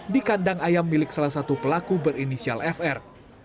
di kandang ayam milik salah satu pelaku berinisial fr